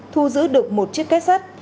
thu giữ được một chiếc két sắt